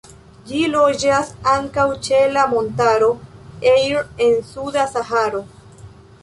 Ĝi loĝas ankaŭ ĉe la Montaro Air en suda Saharo.